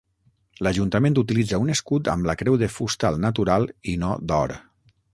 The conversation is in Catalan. L'Ajuntament utilitza un escut amb la creu de fusta al natural i no d'or.